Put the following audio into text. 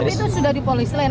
tapi itu sudah dipolis lain